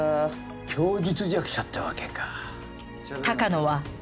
供述弱者ってわけか。